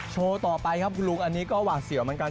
ต่อไปครับคุณลุงอันนี้ก็หวาดเสียวเหมือนกัน